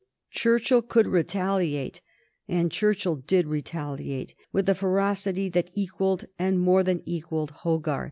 Churchill could retaliate, and Churchill did retaliate with a ferocity that equalled and more than equalled Hogarth's.